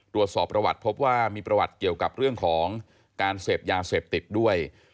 ตรวจสอบประวัติพบว่ามีประวัติเกี่ยวกับเรื่องของการเสพยาเสพติดด้วย